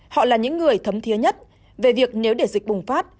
họ là những người thấm thiế nhất về việc nếu để dịch bùng phát